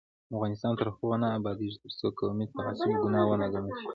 افغانستان تر هغو نه ابادیږي، ترڅو قومي تعصب ګناه ونه ګڼل شي.